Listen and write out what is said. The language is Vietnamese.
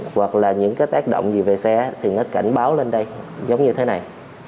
hoặc là những cái tác động gì về xe thì nó cảnh báo lên đây giống như thế này